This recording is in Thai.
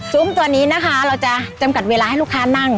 ตัวนี้นะคะเราจะจำกัดเวลาให้ลูกค้านั่ง